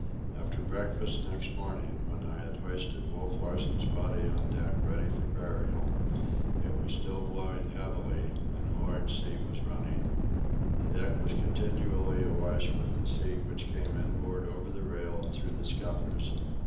After breakfast next morning, when I had hoisted Wolf Larsen's body on deck ready for burial, it was still blowing heavily and a large sea was running. The deck was continually awash with the sea which came inboard over the rail and through the scuppers.